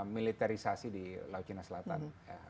militarisasi di laut china selatan